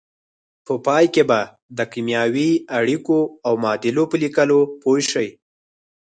په پای کې به د کیمیاوي اړیکو او معادلو په لیکلو پوه شئ.